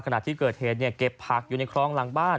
ขณะที่เกิดเหตุเก็บผักอยู่ในคลองหลังบ้าน